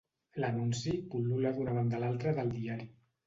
L'anunci pul·lula d'una banda a l'altra del diari.